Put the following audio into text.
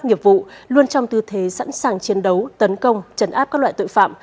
nhiệp vụ luôn trong tư thế sẵn sàng chiến đấu tấn công trấn áp các loại tội phạm